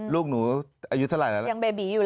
ลูกหนูอายุเท่าไหร่แล้ว